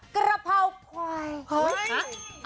กระเพราควาย